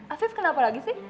afif kenapa lagi sih